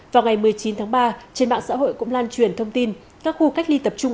vào ngày một mươi chín tháng ba trên mạng xã hội cũng lan truyền thông tin các khu cách ly tập trung